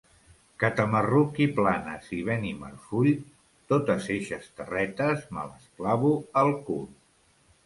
Catamarruc i Planes i Benimarfull: totes eixes terretes me les clavo al cul.